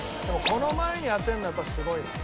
でもこの前に当てるのはやっぱすごい。